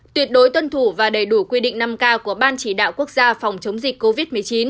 tuyệt đối tuân thủ và đầy đủ quy định năm k của ban chỉ đạo quốc gia phòng chống dịch covid một mươi chín